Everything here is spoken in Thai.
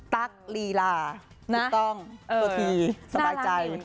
ตั๊กลีลาถูกต้องตัวทีสบายใจ